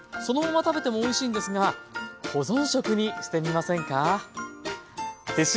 そのまま食べてもおいしいんですが保存食にしてみませんか？